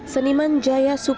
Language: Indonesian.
seniman jaya supriya